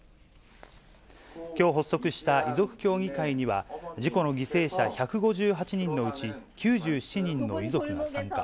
きょう発足した遺族協議会には、事故の犠牲者１５８人のうち、９７人の遺族が参加。